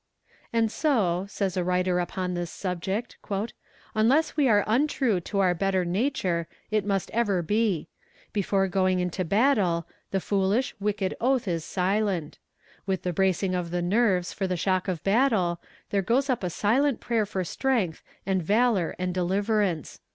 "And so," says a writer upon this subject, "unless we are untrue to our better nature, it must ever be. Before going into battle, the foolish, wicked oath is silent. With the bracing of the nerves for the shock of battle, there goes up a silent prayer for strength, and valor and deliverance.